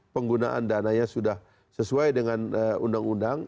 penggunaan dananya sudah sesuai dengan undang undang